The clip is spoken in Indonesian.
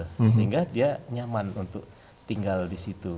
sehingga dia nyaman untuk tinggal di situ